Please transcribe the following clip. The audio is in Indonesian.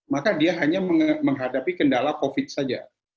maka dia hanya menghadapi kendala covid sembilan belas saja